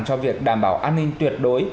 cho việc đảm bảo an ninh tuyệt đối